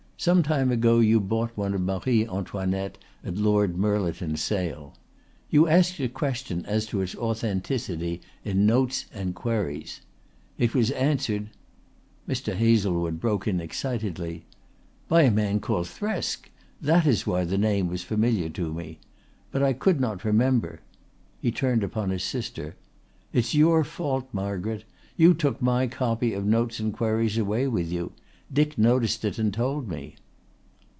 Some time ago you bought one of Marie Antoinette at Lord Mirliton's sale. You asked a question as to its authenticity in Notes and Queries. It was answered " Mr. Hazlewood broke in excitedly: "By a man called Thresk. That is why the name was familiar to me. But I could not remember." He turned upon his sister. "It is your fault, Margaret. You took my copy of Notes and Queries away with you. Dick noticed it and told me."